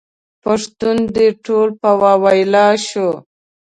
پښتون دې ټول په واویلا شو.